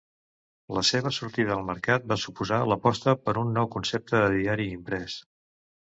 La seva sortida al mercat va suposar l'aposta per un nou concepte de diari imprès.